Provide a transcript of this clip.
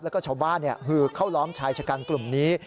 แล้วก็ชาวบ้านฮือเข้าล้อมชายชะกันกลุ่มนี้